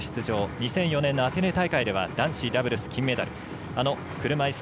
２００４年のアテネ大会では男子ダブルス金メダルです。